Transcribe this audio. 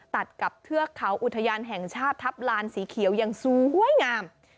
ตัดกับเทือกเขาอุทยานแห่งชาติทัพลานสีเขียวอย่างสวยงาม